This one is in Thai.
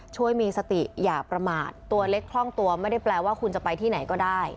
ช่วยมีสติอย่าประมาทตัวเล็กคล่องตัวไม่ได้แปลว่าคุณจะไปที่ไหนก็ได้